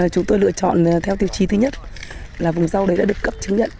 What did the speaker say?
chúng tôi lựa chọn theo tiêu chí thứ nhất là vùng rau đấy đã được cấp chứng nhận